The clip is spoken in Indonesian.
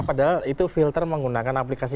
padahal itu filter menggunakan aplikasi